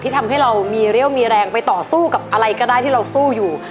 ทำให้เรามีเรี่ยวมีแรงไปต่อสู้กับอะไรก็ได้ที่เราสู้อยู่